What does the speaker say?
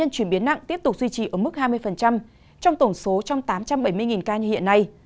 chuyển biến nặng tiếp tục duy trì ở mức hai mươi trong tổng số trong tám trăm bảy mươi ca như hiện nay